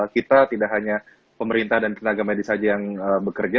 kita tidak hanya pemerintah dan tenaga medis saja yang bekerja